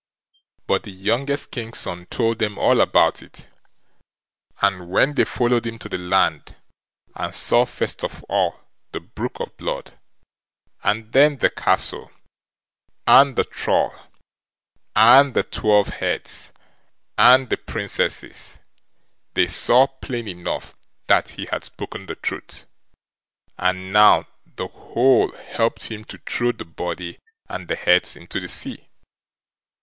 But the youngest King's son told them all about it, and when they followed him to the land and saw first of all the brook of blood, and then the castle, and the Troll, and the twelve heads, and the Princesses, they saw plain enough that he had spoken the truth, and now the whole helped him to throw the body and the heads into the sea.